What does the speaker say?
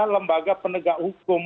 lembaga pendegak hukum